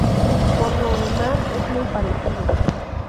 Por lo demás, es muy parecido.